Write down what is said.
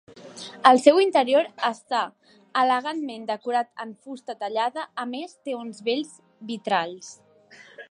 El seu interior està elegantment decorat en fusta tallada, a més té uns bells vitralls.